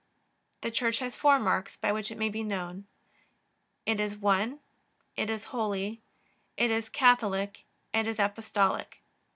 The Church has four marks by which it may be known: it is One; it is Holy; it is Catholic; it is Apostolic.